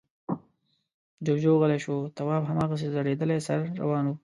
جُوجُو غلی شو. تواب هماغسې ځړېدلی سر روان و.